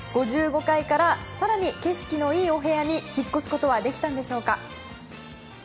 ５５階から更に景色のいいフロアに引っ越すことはできたんでしょうか。